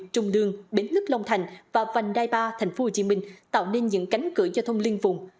trung đường bến lức long thành và vành đai ba tp hcm tạo nên những cánh cửa giao thông liên vùng